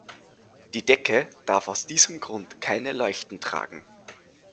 Die Decke darf aus diesem Grund keine Leuchten tragen.